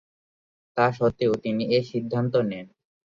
তা স্বত্ত্বেও তিনি এ সিদ্ধান্ত নেন।